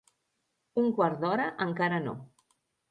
Un quart d'hora encara no.